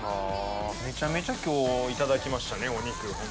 めちゃめちゃ今日いただきましたねお肉。